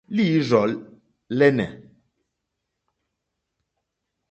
Líǐrzɔ̀ lɛ́nɛ̀.